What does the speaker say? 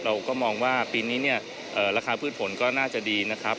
เราก็มองว่าปีนี้เนี่ยราคาพืชผลก็น่าจะดีนะครับ